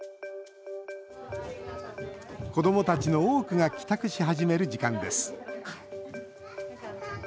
子どもたちの多くが帰宅し始める時間です。